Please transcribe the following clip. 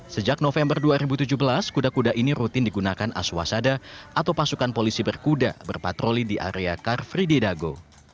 sejak november dua ribu tujuh belas kuda kuda ini rutin digunakan aswasada atau pasukan polisi berkuda berpatroli di area car free dago